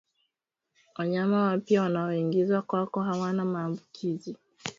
Wanayama wapya wanaoingizwa kwako hawana maambukizi